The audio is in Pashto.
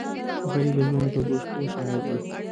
غریب د ژوند د تودو شپو شاهد وي